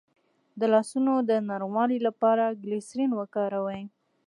د لاسونو د نرموالي لپاره ګلسرین وکاروئ